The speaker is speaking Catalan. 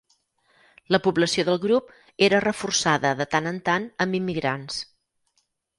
La població del grup era reforçada de tant en tant amb immigrants.